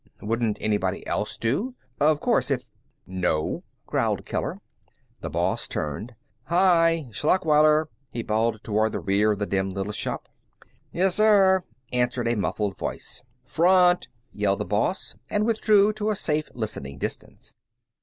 Wouldn't anybody else do? Of course, if " "No," growled Keller. The boss turned. "Hi! Schlachweiler!" he bawled toward the rear of the dim little shop. "Yessir," answered a muffled voice. "Front!" yelled the boss, and withdrew to a safe listening distance.